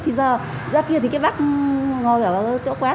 thì giờ ra kia thì cái bác ngồi ở chỗ quán